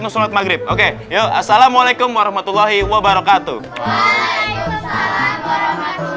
musulat maghrib oke yuk assalamualaikum warahmatullahi wabarakatuh waalaikumsalam